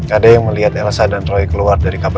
ada yang melihat elsa dan roy keluar dari kabinet sembilan